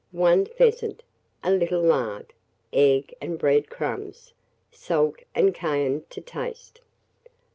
1 pheasant, a little lard, egg and bread crumbs, salt and cayenne to taste.